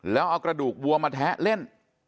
แล้วเอากระดูกวัวมาแทะเล่น